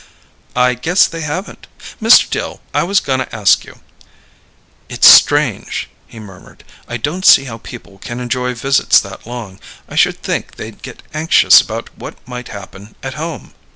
"I guess they haven't. Mr. Dill, I was goin' to ask you " "It's strange," he murmured, "I don't see how people can enjoy visits that long. I should think they'd get anxious about what might happen at home."